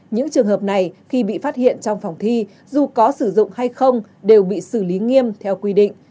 những trường hợp này khi bị phát hiện trong phòng thi dù có sử dụng hay không đều bị xử lý nghiêm theo quy định